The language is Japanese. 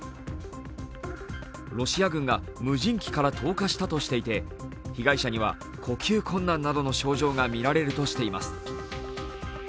ロシア軍が無人機から投下したとしていて被害者には呼吸困難などの症状が見られるとしています。